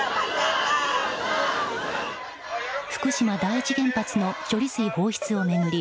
福島第一原発の処理水放出を巡り